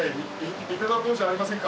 いただこうじゃありませんか。